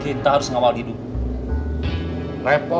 katanya sury trust bapak redmi kaisia tiga tahun berkini semangat